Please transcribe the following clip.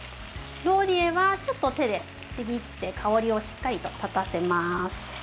ローリエはちょっと手でちぎって香りをしっかりと立たせます。